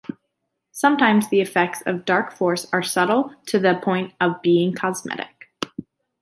Sometimes the effects of Darkforce are subtle to the point of being cosmetic.